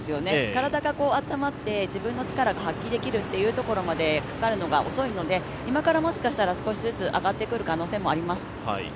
体が温まって自分の力が発揮できるまでかかるのが遅いので今から、もしかしたら少しずつ上がってくる可能性もあります。